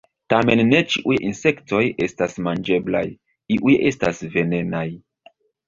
Tamen ne ĉiuj insektoj estas manĝeblaj, iuj estas venenaj.